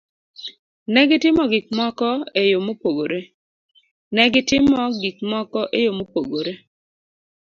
Ne gitimo gik moko e yo mopogore. Ne gitimo gik moko e yo mopogore.